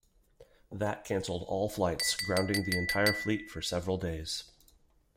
That cancelled all flights, grounding the entire fleet for several days.